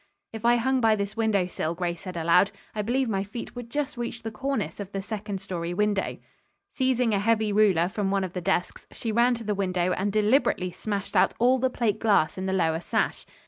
"If I hung by this window sill," Grace said aloud, "I believe my feet would just reach the cornice of the second story window." Seizing a heavy ruler from one of the desks, she ran to the window and deliberately smashed out all the plate glass in the lower sash.